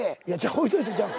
「置いといて」ちゃう。